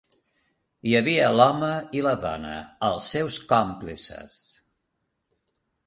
Hi havia l'home i la dona, els seus còmplices.